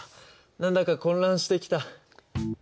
何だか混乱してきた。